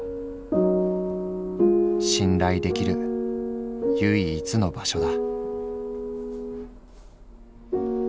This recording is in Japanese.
信頼できる唯一の場所だ」。